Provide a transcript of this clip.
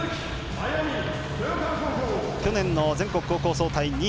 去年の全国高校総体２位。